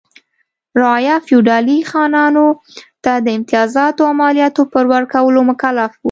رعایا فیوډالي خانانو ته د امتیازاتو او مالیاتو په ورکولو مکلف و.